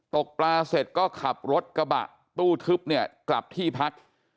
ตกปลาเสร็จก็ขับรถกระบะตู้ทึบเนี่ยกลับที่พัก